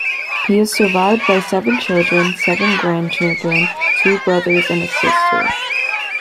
He is survived by seven children, seven grandchildren, two brothers and a sister.